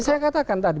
saya katakan tadi